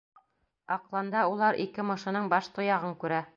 Аҡланда улар ике мышының баш-тояғын күрә.